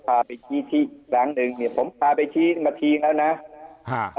พาไปที่ที่อีกแรงหนึ่งเนี่ยผมพาไปที่มันทีแล้วนะอ่า